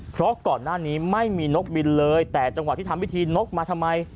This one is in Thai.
เพราะก่อนหน้านี้ไม่มีนกบินเลยแต่จังหวะที่ทำพิธีนกมาทำไม